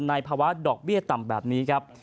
ภาวะดอกเบี้ยต่ำแบบนี้ครับ